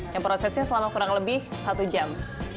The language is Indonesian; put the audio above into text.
yang prosesnya selama kurang lebih satu jam